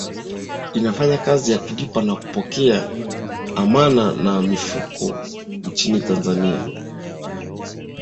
inafanya kazi ya kulipa na kupokea amana na mifuko nchini tanzania